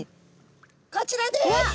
こちらです。